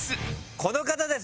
この方です。